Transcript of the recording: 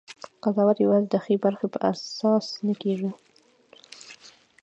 قضاوت یوازې د ښې برخې په اساس نه کېږي.